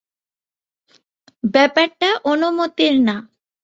ব্যাপারটা অনুমতির না।